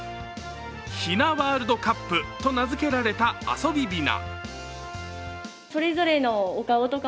ヒナワールドカップと名付けられた遊びびな。